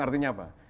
tiga artinya apa